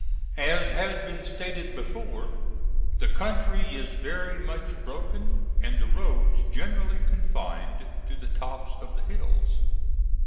As has been stated before, the country is very much broken and the roads generally confined to the tops of the hills.